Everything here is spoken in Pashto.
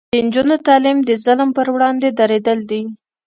د نجونو تعلیم د ظلم پر وړاندې دریدل دي.